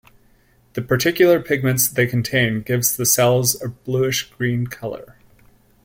The particular pigments they contain gives the cells a bluish-green color.